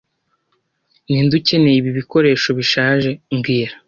Ninde ukeneye ibi bikoresho bishaje mbwira